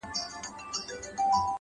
راسه دوې سترگي مي دواړي درله دركړم،